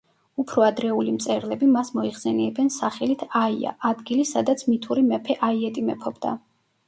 უფრო ადრეული მწერლები მას მოიხსენიებენ სახელით „აია“, ადგილი სადაც მითური მეფე აიეტი მეფობდა.